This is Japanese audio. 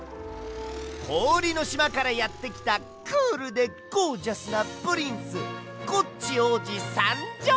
こおりのしまからやってきたクールでゴージャスなプリンスコッチおうじさんじょう！